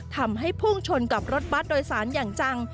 ทำให้พุ่งชนกับรถบัตรโดยสารอย่างจัง